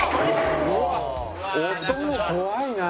音も怖いなあ。